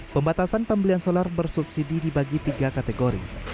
pembatasan pembelian solar bersubsidi dibagi tiga kategori